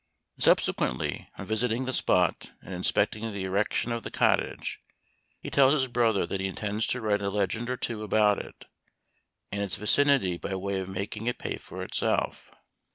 Subsequently, on visiting the spot and inspecting the erection of the cot tage, he tells his brother that he intends to write a legend or two about it and its vicinity by way of making it pay for itself.